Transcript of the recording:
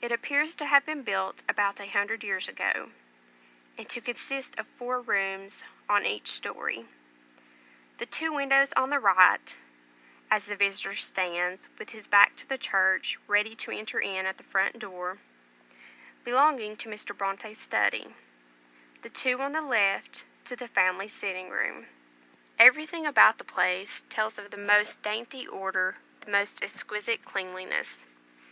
It appears to have been built about a hundred years ago, and to consist of four rooms on each story; the two windows on the right (as the visitor stands with his back to the church, ready to enter in at the front door) belonging to Mr. Bronte's study, the two on the left to the family sitting room. Everything about the place tells of the most dainty order, the most exquisite cleanliness.